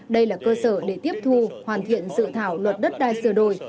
đây là cơ sở để tiếp thu hoàn thiện dự thảo luật đất đai sửa đổi